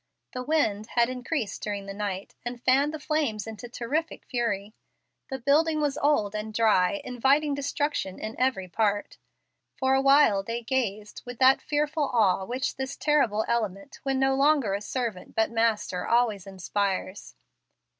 The wind had increased during the night and fanned the flames into terrific fury. The building was old and dry, inviting destruction in every part. For a while they gazed with that fearful awe which this terrible element, when no longer servant, but master, always inspires.